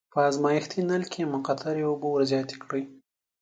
په ازمایښتي نل کې مقطرې اوبه ور زیاتې کړئ.